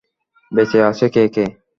বেঁচে আছে কে কে?